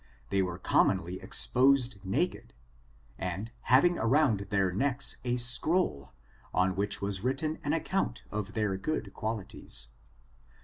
They were commonly exposed naked, and having around their necks a scroll, on which was written an account of their good qualities.